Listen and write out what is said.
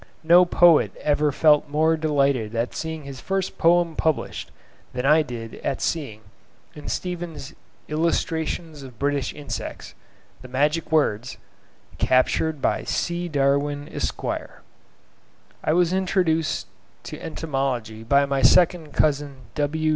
No poet ever felt more delighted at seeing his first poem published than I did at seeing, in Stephens' 'Illustrations of British Insects,' the magic words, "captured by C. Darwin, Esq." I was introduced to entomology by my second cousin W.